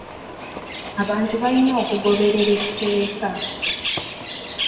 Abantu balina okugoberera etteeka.